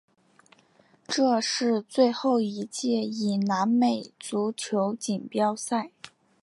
这是最后一届以南美足球锦标赛。